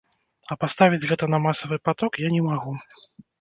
А паставіць гэта на масавы паток я не магу.